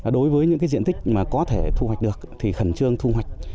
đối với những diện tích mà có thể thu hoạch được thì khẩn trương thu hoạch